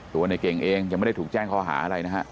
ตัวในเก่งเองยังไม่ได้ถูกแจ้งข้อหาอะไรนะฮะ